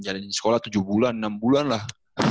jalanin sekolah tujuh bulan enam bulan lah